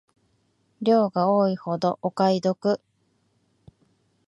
量が多いほどお買い得